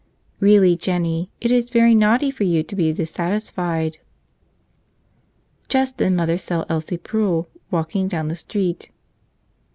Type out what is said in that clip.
Really, Jennie, it is very naughty for you to be dissatisfied." Just then mother saw Elsie Prull walk down the street.